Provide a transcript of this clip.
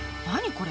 これ。